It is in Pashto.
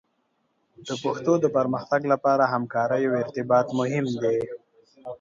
د پښتو د پرمختګ لپاره همکارۍ او ارتباط مهم دي.